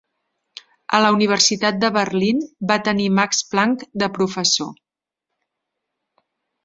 A la Universitat de Berlín, va tenir Max Planck de professor.